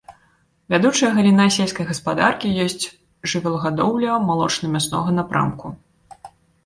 Вядучая галіна сельскай гаспадаркі ёсць жывёлагадоўля малочна-мяснога напрамку.